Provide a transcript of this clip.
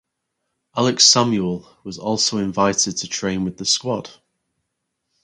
Alex Samuel was also invited to train with the squad.